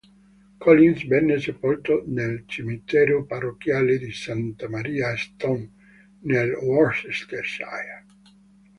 Collins venne sepolto nel cimitero parrocchiale di Santa Maria a Stone, nel Worcestershire.